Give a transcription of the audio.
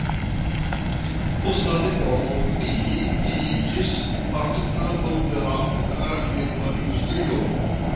Post la diplomo li iĝis partoprenanto de la hungara filma industrio.